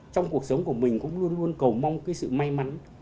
trong cuộc sống của mình cũng luôn luôn cầu mong cái sự may mắn